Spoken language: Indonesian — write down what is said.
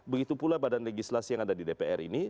begitu pula badan legislasi yang ada di dpr ini